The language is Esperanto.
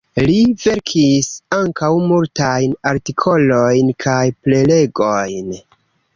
Li verkis ankaŭ multajn artikolojn kaj prelegojn.